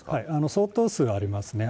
相当数ありますね。